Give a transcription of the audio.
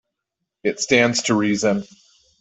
It stands to reason.